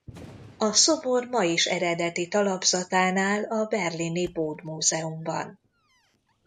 A szobor ma is eredeti talapzatán áll a berlini Bode Múzeumban.